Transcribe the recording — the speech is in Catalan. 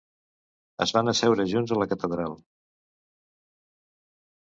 Es van asseure junts a la catedral.